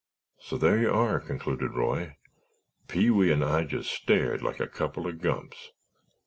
"So there you are," concluded Roy; "Pee wee and I just stared like a couple of gumps.